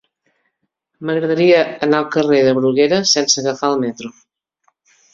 M'agradaria anar al carrer de Bruguera sense agafar el metro.